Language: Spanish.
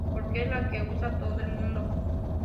porque es la que usa todo el mundo